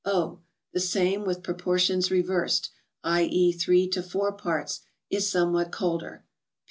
O. —The same, with proportions reversed, i. e., 3 to 4 parts, is somewhat colder.